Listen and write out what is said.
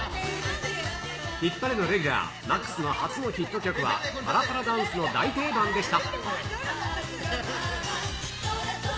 ヒッパレのレギュラー、ＭＡＸの初のヒット曲は、パラパラダンスの大定番でした。